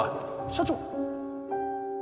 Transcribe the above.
社長。